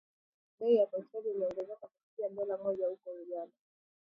Bei ya petroli imeongezeka kufikia dola moja huko Uganda